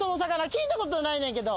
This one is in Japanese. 聞いたことないねんけど。